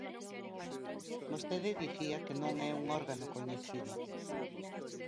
Vostede dicía que non é un órgano coñecido.